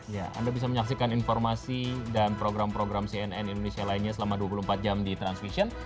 ya anda bisa menyaksikan informasi dan program program cnn indonesia lainnya selama dua puluh empat jam di transvision